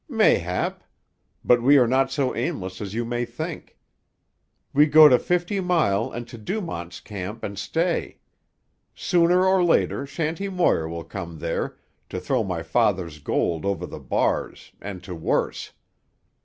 "Mayhap. But we are not so aimless as you may think. We go to Fifty Mile and to Dumont's Camp and stay. Sooner or later Shanty Moir will come there, to throw my father's gold over the bars and to worse.